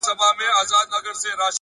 زحمت د بریا خام مواد دي